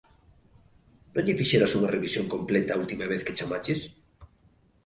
Non lle fixeras unha revisión completa a última vez que chamaches?